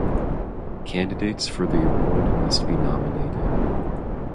Candidates for the award must be nominated.